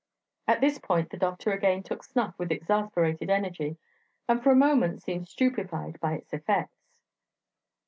At this point the doctor again took snuff with exasperated energy, and for a moment seemed stupefied by its effects.